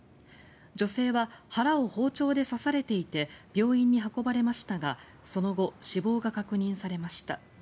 女性は腹を包丁で刺されていて病院に運ばれましたがその後、死亡が確認されました。